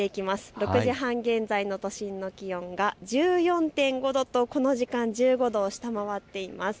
６時半現在の都心の気温が１４．５度とこの時間、１５度を下回っています。